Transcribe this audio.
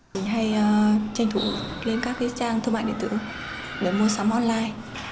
mình hay tranh thủ lên các trang thương mại điện tử để mua sắm online